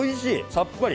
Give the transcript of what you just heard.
さっぱり！